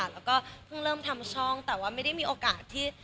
แล้วก็เพิ่งเริ่มทำช่องแต่ว่าไม่ได้มีโอกาสที่